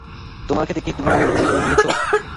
তোমার ক্ষেতে কী তুমি ময়ূর মেরে পুঁতে দিয়েছ?